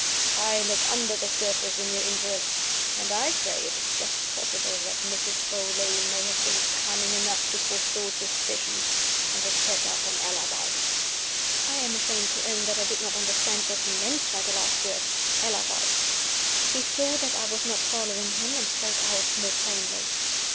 I look under the surface, in your interests; and I say, it is just possible that Mrs. Beauly may have been cunning enough to forestall suspicion, and to set up an Alibi." I am ashamed to own that I did not understand what he meant by the last word Alibi. He saw that I was not following him, and spoke out more plainly.